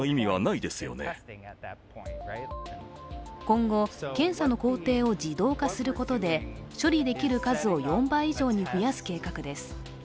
今後、検査の工程を自動化することで処理できる数を４倍以上に増やす計画です。